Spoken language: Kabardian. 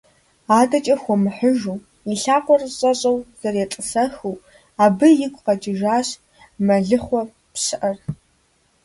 АдэкӀэ хуэмыхьыжу, и лъакъуэр щӀэщӀэу зэретӀысэхыу, абы игу къэкӀыжащ мэлыхъуэ пщыӀэр.